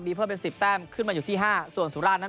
มีเพิ่มเป็นสิบแต้มขึ้นมาอยู่ที่ห้าส่วน